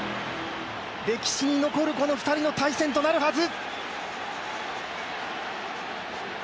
歴史に残るこの２人の対戦となるはず。